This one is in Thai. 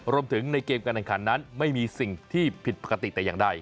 ในเกมการแข่งขันนั้นไม่มีสิ่งที่ผิดปกติแต่อย่างใด